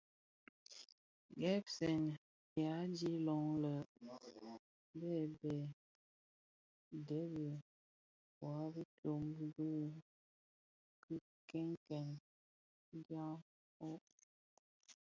Gèpsèn ya i dhi loň lè bè dheb ndhèli wa bi tsom ki kènènkenen ndhan dhikō.